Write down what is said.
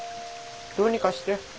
どうにかして。